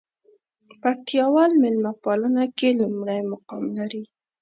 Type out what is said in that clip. پکتياوال ميلمه پالنه کې لومړى مقام لري.